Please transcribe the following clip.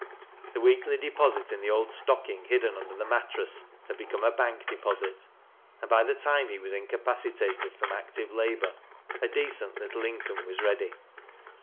The weekly deposit in the old stocking hiddeL ander the mattress had become a bank deposit, and by the time he was incapacitated from active labor, a decent little income was ready.